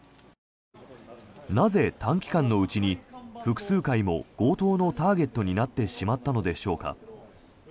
なぜ短期間のうちに複数回も強盗のターゲットになってしまったのでしょうか。